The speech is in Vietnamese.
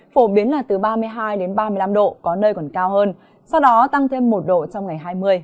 phổ biến là từ ba mươi hai đến ba mươi năm độ có nơi còn cao hơn sau đó tăng thêm một độ trong ngày hai mươi